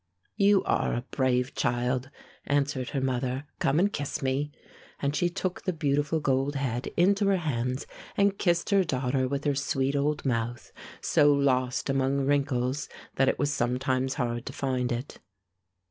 "You are a brave child," answered her mother. "Come and kiss me," and she took the beautiful gold head into her hands and kissed her daughter with her sweet old mouth, so lost among wrinkles that it was sometimes hard to find it.